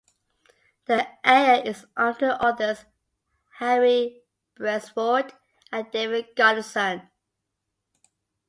The area is home to authors Harry Brelsford and David Gutterson.